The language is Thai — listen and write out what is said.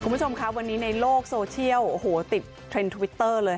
คุณผู้ชมครับวันนี้ในโลกโซเชียลโอ้โหติดเทรนด์ทวิตเตอร์เลย